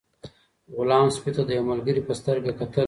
غلام سپي ته د یو ملګري په سترګه کتل.